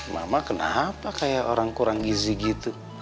mama kenapa kayak orang kurang gizi gitu